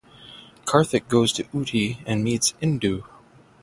Karthik goes to Ooty and meets Indu.